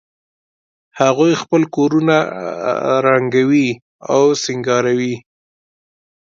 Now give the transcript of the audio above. هغوی خپل کورونه رنګوي او سینګاروي